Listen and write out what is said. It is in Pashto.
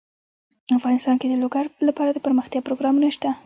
افغانستان کې د لوگر لپاره دپرمختیا پروګرامونه شته.